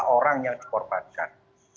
orang yang dikorbankan